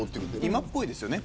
今っぽいですよね。